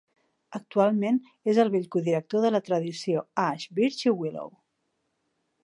Actualment és el vell codirector de la tradició Ash, Birch i Willow.